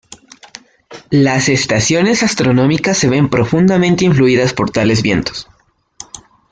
Las estaciones astronómicas se ven profundamente influidas por tales vientos.